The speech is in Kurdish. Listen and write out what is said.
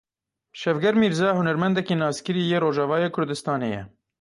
Şevger Mîrza hunermendekî naskirî yê Rojavayê Kurdistanê ye.